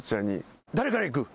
誰からいく？